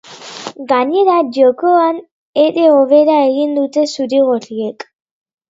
Gainera, jokoan ere hobera egin dute zuri-gorriek.